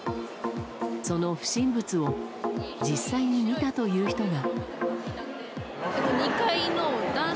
その不審物を実際に見たという人が。